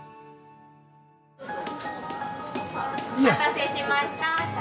お待たせしました。